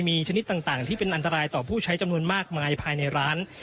มีชนิดต่างที่เป็นอันตรายต่อผู้ใช้จำนวนมากมายภายในร้าน